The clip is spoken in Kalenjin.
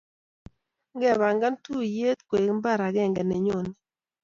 Ngepangan tuiyet koek mbar agenge ne nyonei